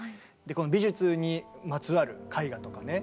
この美術にまつわる絵画とかね